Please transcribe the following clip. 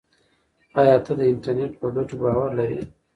ایا ته د انټرنیټ په ګټو باور لرې؟